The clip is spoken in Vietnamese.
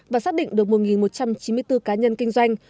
và xác định được một một trăm chín mươi bốn cá nhân kinh doanh